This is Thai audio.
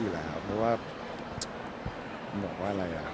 เพราะว่าแม่งว่าอะไรหรอ